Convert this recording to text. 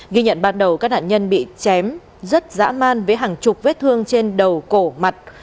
ghi nhận ban đầu các nạn nhân bị chém rất dã man với hàng chục vết thương trên đầu cổ mặt